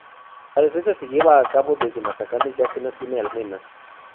La defensa se llevaba a cabo desde los matacanes, ya que no tiene almenas.